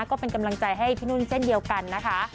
ก็เป็นกำลังใจให้พี่นุ่นเช่นเดียวกันนะคะ